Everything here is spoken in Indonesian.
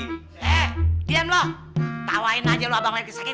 eh diam lo tawain aja lo abang lagi sakit